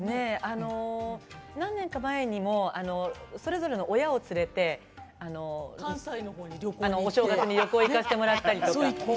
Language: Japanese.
何年か前にもそれぞれの親を連れてお正月のほうに旅行に行かせてもらったりだとか